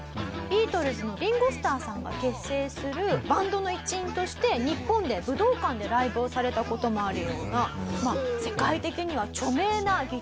ビートルズのリンゴ・スターさんが結成するバンドの一員として日本で武道館でライブをされた事もあるような世界的には著名なギタリストでいらっしゃるんです。